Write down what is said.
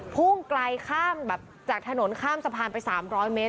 พุ่งไกลข้ามแบบจากถนนข้ามสะพานไป๓๐๐เมตร